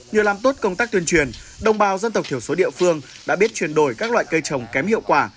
nhờ làm tốt công tác tuyên truyền đồng bào dân tộc thiểu số địa phương đã biết chuyển đổi các loại cây trồng kém hiệu quả